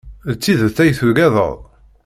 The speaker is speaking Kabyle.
D tidet ay tuggaded?